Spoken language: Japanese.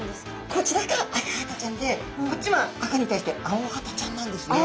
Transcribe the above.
こちらがアカハタちゃんでこっちは赤に対してアオハタちゃんなんですね。